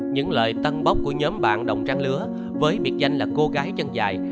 những lời tân bốc của nhóm bạn đồng trang lứa với biệt danh là cô gái chân dài